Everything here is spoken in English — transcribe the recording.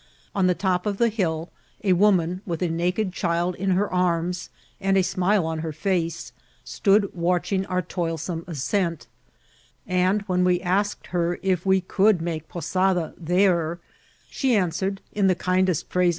On the top of the hill a woman, with a naked child in her arms and a smile on her face, stood watching our toilsome ascent ; and when we asked her if we could make posada there, she answered, in th^ kindest {rfirase W INCIDXMT8 or TRATIL.